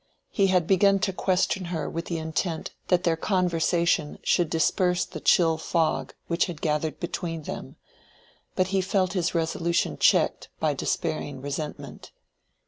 He had begun to question her with the intent that their conversation should disperse the chill fog which had gathered between them, but he felt his resolution checked by despairing resentment.